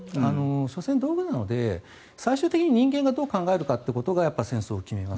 道具なので、最終的に人間がどう考えるかどうかが戦争を決めます。